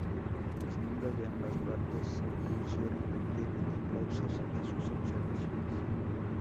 Los miembros de ambas partes se pusieron de pie en aplausos a sus observaciones.